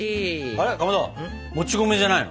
あれかまどもち米じゃないの？